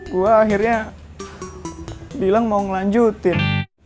gue akhirnya bilang mau ngelanjutin